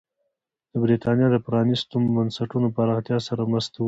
د برېټانیا د پرانېستو بنسټونو پراختیا سره مرسته وکړي.